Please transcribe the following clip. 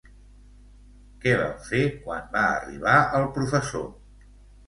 Què van fer quan va arribar el professor?